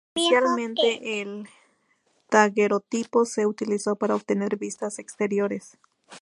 Pero inicialmente el daguerrotipo se utilizó para obtener vistas exteriores.